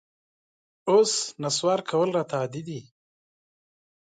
اوس نسوار کول راته عادي دي